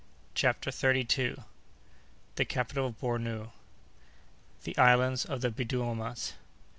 CHAPTER THIRTY SECOND. The Capital of Bornou.—The Islands of the Biddiomahs.